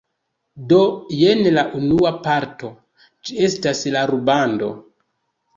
Do jen la unua parto, ĝi estas la rubando